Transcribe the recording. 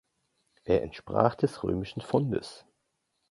Er entsprach des römischen Pfundes.